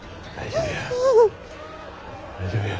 大丈夫や。